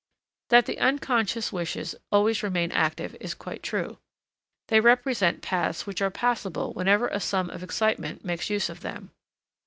That the unconscious wishes always remain active is quite true. They represent paths which are passable whenever a sum of excitement makes use of them.